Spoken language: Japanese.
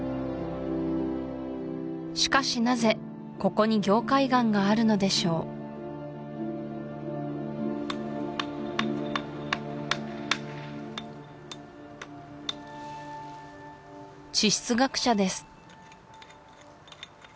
しかしなぜここに凝灰岩があるのでしょう地質学者です